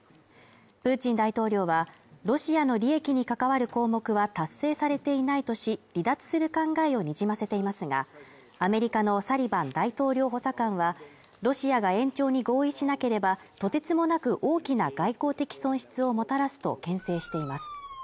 プーチン大統領は、ロシアの利益に関わる項目は達成されていないとし、離脱する考えをにじませていますが、アメリカのサリバン大統領補佐官は、ロシアが延長に合意しなければ、とてつもなく大きな外交的損失をもたらすと牽制しています。